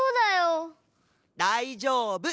だいじょうぶ。